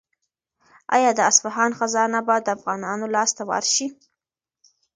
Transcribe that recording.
آیا د اصفهان خزانه به د افغانانو لاس ته ورشي؟